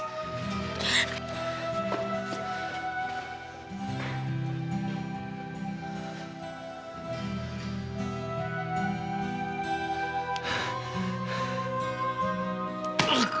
apa sih ini semua